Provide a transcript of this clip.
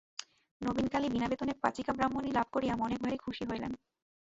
নবীনকালী বিনা-বেতনে পাচিকা ব্রাহ্মণী লাভ করিয়া মনে মনে ভারি খুশি হইলেন।